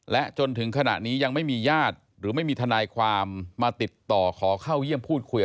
และจนถึงขณะนี้ยังไม่มีญาติ